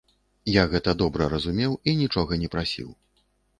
Я гэта добра разумеў і нічога не прасіў.